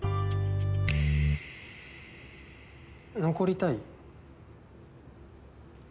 残りたい？